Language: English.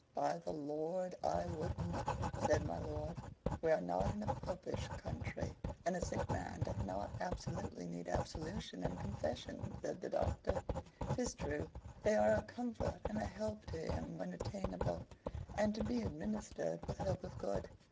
"By the Lord, I wouldn't," said my lord. "We are not in a popish country; and a sick man doth not absolutely need absolution and confession," said the Doctor. "'Tis true they are a comfort and a help to him when attainable, and to be administered with hope of good.